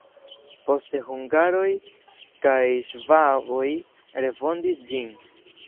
Poste hungaroj kaj ŝvaboj refondis ĝin.